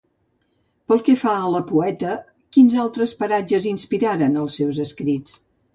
Pel que fa a la poeta, quins altres paratges inspiraren els seus escrits?